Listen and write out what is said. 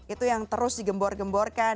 itu yang terus digembor gemborkan